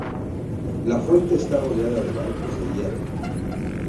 La fuente está rodeada de bancos de hierro.